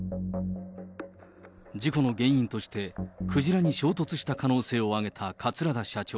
事故の原因として、クジラに衝突した可能性を挙げた桂田社長。